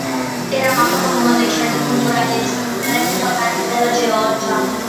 Era noto come uno dei centri culturali e di istruzione più importanti della Georgia.